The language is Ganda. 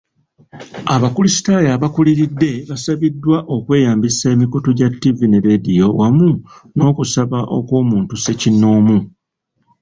Abakulisitaayo abakuliridde basabiddwa okweyambisa emikutu gya ttivvi ne leediyo wamu n'okusaba okw'omuntu ssekinnoomu.